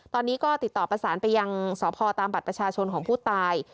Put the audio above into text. ตอนนี้ก็ติดต่อประสานไปยังสพตามบัตรประชาชนของผู้ตาย